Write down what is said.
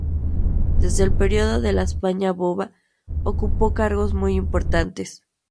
Desde el período de la España Boba, ocupó cargos muy importantes.